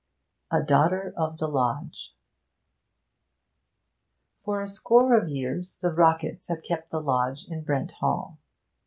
A DAUGHTER OF THE LODGE For a score of years the Rocketts had kept the lodge of Brent Hall.